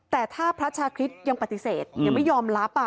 แต่ถ้าพระชาคริสต์ยังปฏิเสธยังไม่ยอมรับ